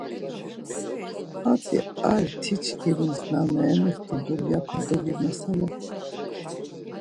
Hatzi ar ti çkimis na meemixtu dulyape dogimeselat.